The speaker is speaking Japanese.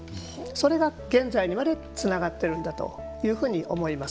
それが現在にまでつながってるんだというふうに思います。